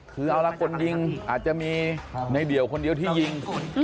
คือเอาละคนยิงอาจจะมีในเดี่ยวคนเดียวที่ยิง